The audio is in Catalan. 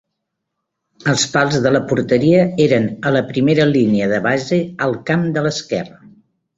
Els pals de la porteria eren a la primera línia de base, al camp de l'esquerra.